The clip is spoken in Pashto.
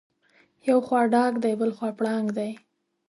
یو خوا ډاګ دی بلخوا پړانګ دی.